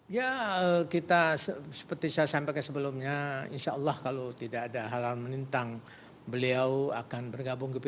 ya kita seperti saya sampaikan sebelumnya insya allah kalau tidak ada hal hal menentang beliau akan bergabung ke p tiga